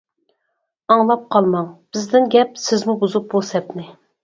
ئاڭلاپ قالماڭ. بىزدىن گەپ سىزمۇ بۇزۇپ بۇ سەپنى.